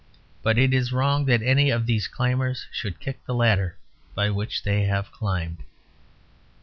But it is wrong that any of these climbers should kick the ladder by which they have climbed.